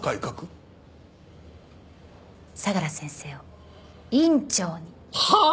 相良先生を院長に。はあ！？